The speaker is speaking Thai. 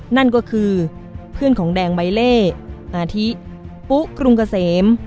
นั่นก็คือเพื่อนของแดงใบเล่นาธิปุ๊กรุงเกษม